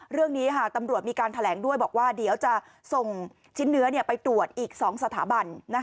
เรื่องนี้ตำรวจมีการแถลงด้วยบอกว่าเดี๋ยวจะส่งชิ้นเนื้อไปตรวจอีก๒สถาบัน